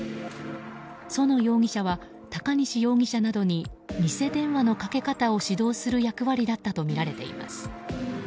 薗容疑者は高西容疑者などに偽電話のかけ方を指導する役割だったとみられています。